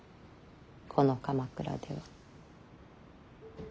この鎌倉では。